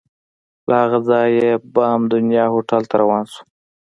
له هغه ځایه بام دنیا هوټل ته روان شوو.